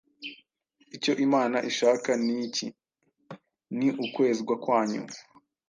Icyo Imana ishaka ni iki: ni ukwezwa kwanyu